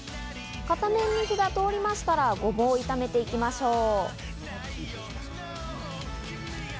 片面に火が通りましたら、ごぼうを炒めていきましょう。